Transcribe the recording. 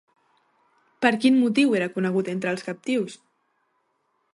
Per quin motiu era conegut entre els captius?